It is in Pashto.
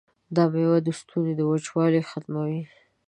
دا میوه د ستوني وچوالی ختموي.